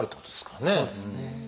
そうですね。